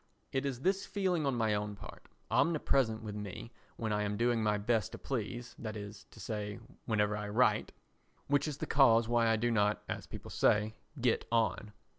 It is this feeling on my own part—omnipresent with me when I am doing my best to please, that is to say, whenever I write—which is the cause why I do not, as people say, "get on."